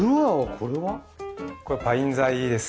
これはパイン材です。